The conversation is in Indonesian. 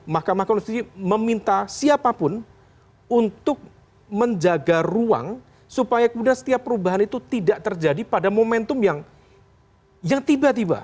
mahkamah konstitusi meminta siapapun untuk menjaga ruang supaya kemudian setiap perubahan itu tidak terjadi pada momentum yang tiba tiba